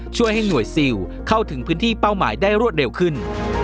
ช่วยให้หน่วยซิลเข้าถึงพื้นที่เป้าหมายได้รวดเร็วขึ้น